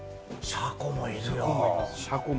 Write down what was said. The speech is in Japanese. シャコもいる。